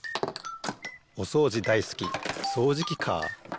おそうじだいすきそうじきカー。